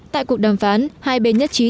tại cuộc đàm phán hai bên nhất trí